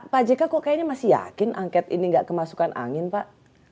pak jk kok kayaknya masih yakin angket ini nggak kemasukan angin pak